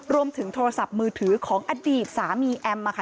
โทรศัพท์มือถือของอดีตสามีแอมมาค่ะ